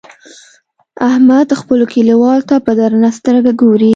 احمد خپلو کليوالو ته په درنه سترګه ګوري.